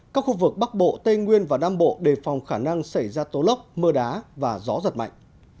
các khu vực bắc bộ tây nguyên và nam bộ đề phòng khả năng xảy ra tố lốc mưa đá và gió giật mạnh